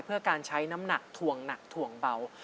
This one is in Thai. เพื่อการใช้น้ำหนักถ่วงหนักถ่วงเบา